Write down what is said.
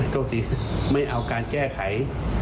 โทษทีไม่เอาการแก้ไข